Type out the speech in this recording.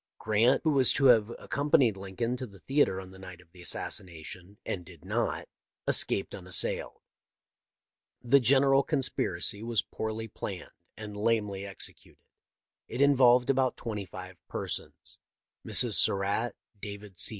Grant, who was to have accompanied Lincoln to the theatre on the night of the assassination, and did not, escaped unassailed. The general conspiracy was poorly planned and lamely executed. It involved about twenty five persons. Mrs. Surratt, David C.